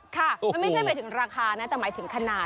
ค่ะมันไม่ใช่หมายถึงราคานะแต่หมายถึงขนาด